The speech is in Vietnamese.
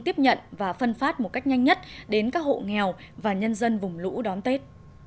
tiếp nhận và phân phát một cách nhanh nhất đến các hộ nghèo và nhân dân vùng lũ đón tết